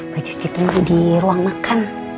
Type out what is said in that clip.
bajis ditunggu di ruang makan